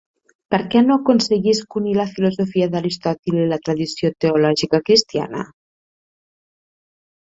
Per què no aconseguisc unir la filosofia d'Aristòtil i la tradició teològica cristiana?